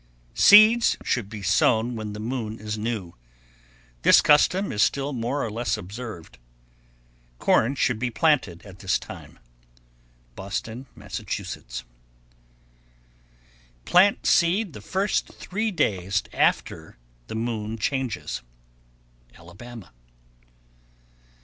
Seeds should be sown when the moon is new. This custom is still more or less observed. Corn should be planted at this time. Boston, Mass. 1122. Plant seed the first three days after the moon changes. _Alabama.